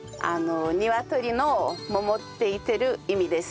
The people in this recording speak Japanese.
ニワトリのモモって言ってる意味です。